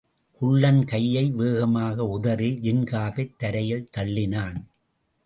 குள்ளன் கையை வேகமாக உதறி ஜின்காவைத் தரையில் தள்ளினான்.